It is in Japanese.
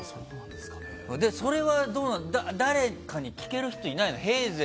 それは、誰か聞ける人いないの？